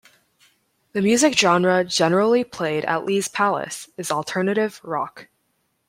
The music genre generally played at Lee's Palace is alternative rock.